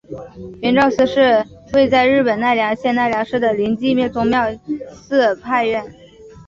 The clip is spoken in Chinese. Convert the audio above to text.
圆照寺是位在日本奈良县奈良市的临济宗妙心寺派寺院。